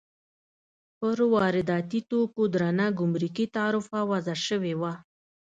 پر وارداتي توکو درنه ګمرکي تعرفه وضع شوې وه.